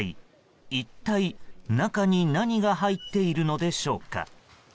一体、中に何が入っているのでしょうか。